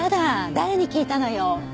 誰に聞いたのよ？